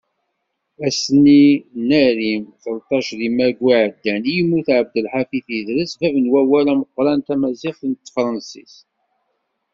Ass-nni n arim, telṭac deg maggu iɛeddan, i yemmut Abdelḥafiḍ Idres bab n umawal ameqqran tamaziɣt d tefrensist.